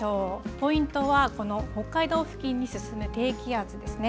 ポイントはこの北海道付近に進む低気圧ですね。